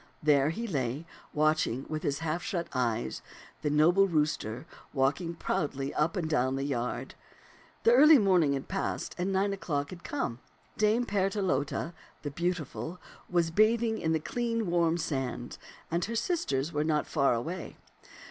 There he lay, watching with his half shut eyes the noble rooster walking proudly up and down the yard. The early morning had passed and nine o'clock had come. Dame Partelote, the beautiful, was bathing in the clean, warm sand, and her sisters were not far away.